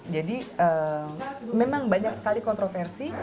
jadi memang banyak sekali kontroversi